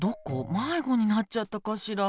まいごになっちゃったかしら？